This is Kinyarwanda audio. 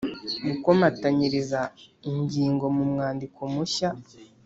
gukomatanyiriza ingingo mu mwandiko mushya